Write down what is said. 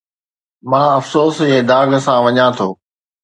مان افسوس جي داغ سان وڃان ٿو